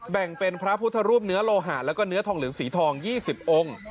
แบ่งเป็นพระพุทธรูปเนื้อโลหะแล้วก็เนื้อทองเหลืองสีทอง๒๐องค์